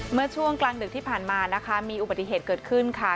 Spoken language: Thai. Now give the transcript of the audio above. เมื่อช่วงกลางดึกที่ผ่านมานะคะมีอุบัติเหตุเกิดขึ้นค่ะ